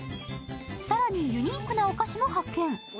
更にユニークなお菓子を発見。